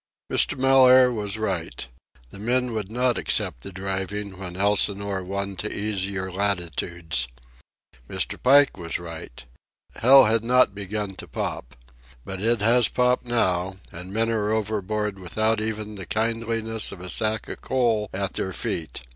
Mr. Mellaire was right. The men would not accept the driving when the Elsinore won to easier latitudes. Mr. Pike was right. Hell had not begun to pop. But it has popped now, and men are overboard without even the kindliness of a sack of coal at their feet.